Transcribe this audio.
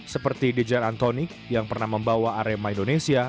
seperti dijar antonik yang pernah membawa arema indonesia